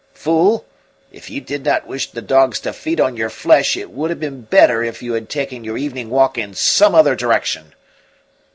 Fool, if you did not wish the dogs to feed on your flesh, it would have been better if you had taken your evening walk in some other direction."